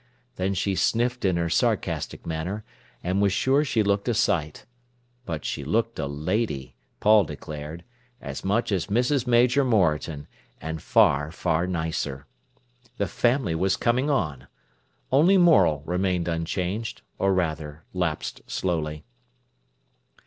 Then she sniffed in her sarcastic manner, and was sure she looked a sight. But she looked a lady, Paul declared, as much as Mrs. Major Moreton, and far, far nicer. The family was coming on. Only Morel remained unchanged, or rather, lapsed slowly.